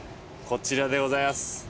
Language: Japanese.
こちらでございやす。